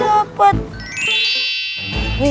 aduh lapar nih